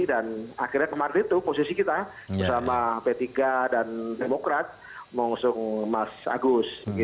dan akhirnya kemarin itu posisi kita bersama p tiga dan demokrat mengusung mas agus